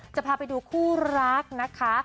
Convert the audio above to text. จะพาไปดูคู่รักนะคะ